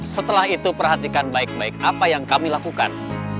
setelah itu perhatikan baik baik apa yang kami lakukan